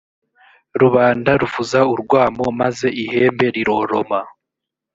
rubanda ruvuza urwamo maze ihembe riroroma.